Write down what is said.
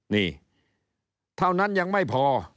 นี่เท่านั้นยังไม่พอ